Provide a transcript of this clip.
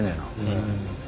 うん。